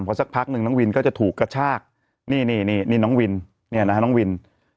พอสักพักหนึ่งน้องวินก็จะถูกกระชากนี่นี่น้องวินเนี่ยนะฮะน้องวิน